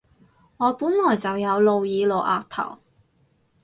我本來就有露耳露額頭